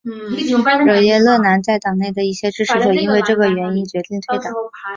惹耶勒南在党内的一些支持者因为这个原因决定退党。